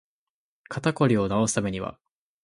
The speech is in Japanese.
肩こりを治すためには